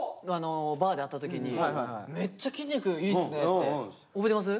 バーで会った時に「めっちゃ筋肉いいっすね！」って。覚えてます？